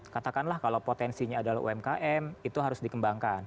katakanlah kalau potensinya adalah umkm itu harus dikembangkan